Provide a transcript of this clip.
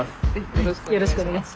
よろしくお願いします。